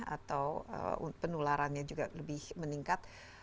atau penularannya juga lebih meningkat